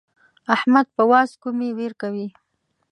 احمد په واز کومې وير کوي.